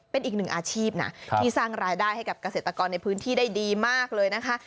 เป็นอีกหนึ่งอาชีพนะที่สร้างรายได้ให้กับเกษตรกรในพื้นที่ได้ดีมากเลยนะคะ